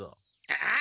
ああ。